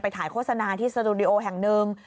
ถ่ายโฆษณาที่สตูดิโอแห่งหนึ่ง